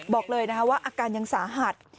บอกเลยนะคะว่าอาการยังสาหัส